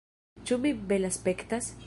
Ĉu mi belaspektas?